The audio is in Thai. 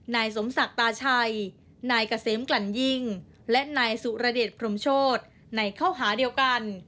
นายสมศักดิ์ตาชัยนายเกษมกลั่นยิงและนายสุรเดชพรมโชธในข้อหาเดียวกัน